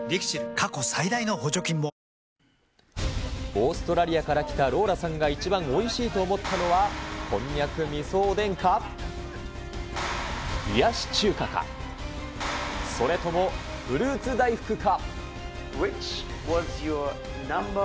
過去最大の補助金もオーストラリアから来たローラさんが一番おいしいと思ったのは、こんにゃくみそおでんか、冷やし中華か、それともフルーツ大福か。